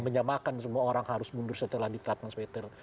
menyamakan semua orang harus mundur setelah dikatakan